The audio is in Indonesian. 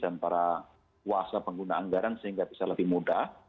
dan para kuasa pengguna anggaran sehingga bisa lebih mudah